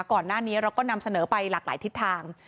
ก่อนหน้านี้เราก็นำเสนอไปหลากหลายทิศทาง